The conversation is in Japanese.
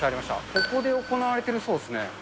ここで行われてるそうですね。